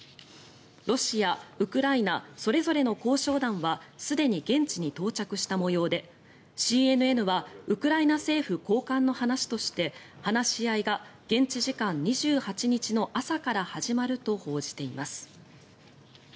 ロシア、ウクライナそれぞれの交渉団はすでに現地に到着した模様でＣＮＮはウクライナ政府高官の話として話し合いが現地時間２８日の朝から始まると報じています。